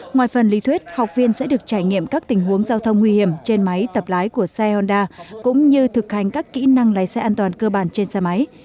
ngoài phần lý thuyết học viên sẽ được trải nghiệm các tình huống giao thông nguy hiểm trên máy tập lái của xe honda cũng như thực hành các kỹ năng lái xe an toàn cơ bản trên xe máy